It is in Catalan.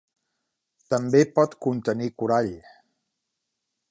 També pot contenir corall.